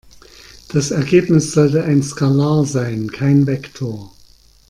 Das Ergebnis sollte ein Skalar sein, kein Vektor.